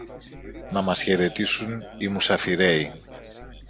να μας χαιρετήσουν οι μουσαφιρέοι